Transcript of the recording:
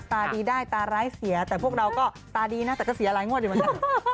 ตาดีได้ตาร้ายเสียแต่พวกเราก็ตาดีนะแต่ก็เสียหลายงวดอยู่เหมือนกัน